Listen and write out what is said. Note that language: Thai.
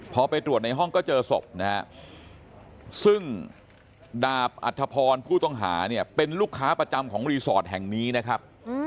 พอไปตรวจในห้องก็เจอศพนะฮะซึ่งดาบอัธพรผู้ต้องหาเนี่ยเป็นลูกค้าประจำของรีสอร์ทแห่งนี้นะครับ